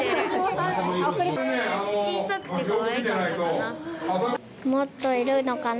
小さくて、かわいかったかな。